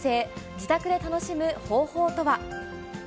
自宅で楽しむ方法とは。